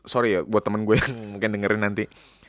sorry ya buat temen gue yang mungkin dengerin nanti